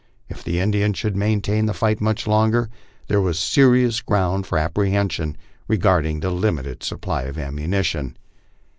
If the Indiana should maintain the fight much longer, there was serious ground for apprehen sion regarding the limited supply of ammunition.